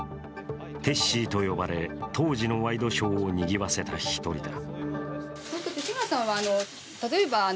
テッシーと呼ばれ、当時のワイドショーをにぎわせた１人だ。